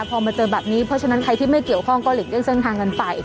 พอมาเจอแบบนี้เพราะฉะนั้นใครที่ไม่เกี่ยวข้องก็หลีกเลี่เส้นทางกันไป